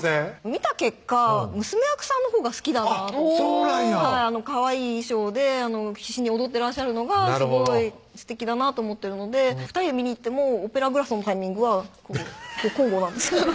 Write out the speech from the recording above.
見た結果娘役さんのほうが好きだなとそうなんやはいかわいい衣装で必死に踊ってらっしゃるのがすごいすてきだなと思ってるので２人で見に行ってもオペラグラスのタイミングは交互なんですよ